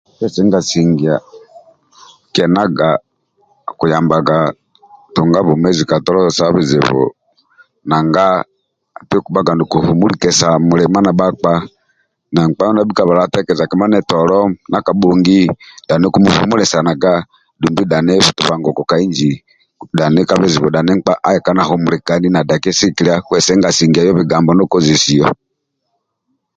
Kwesenga sengya akienaga akiyambaga tunga bwomezi ka tolo sa bizibu nanga olubhaga nokahumuleslkesa mulima ndia bhakpa na nkpa mindia abhi kakabala tekeleza kima ndia kabhongi akihumulikanaga dumbi dhani butabanguko ka inji dhani ka bizibu dhani nkpa aoka nihumulikani nadakķi sigikilia bigambo ndio okezesio